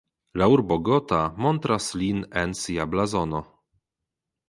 La urbo Gotha montras lin en sia blazono.